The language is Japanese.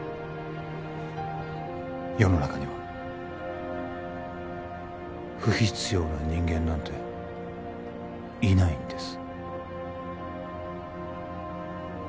世の中には不必要な人間なんていないんです